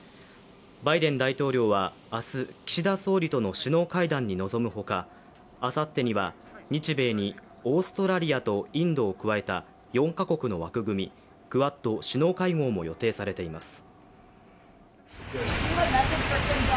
バイデン大統領は明日、岸田総理との首脳会談に臨むほか、あさってには、日米にオーストラリアとインドを加えた４カ国の枠組み、クアッド首脳会合も予定されています。